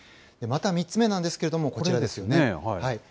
また３つ目なんですけれども、こちらですよね。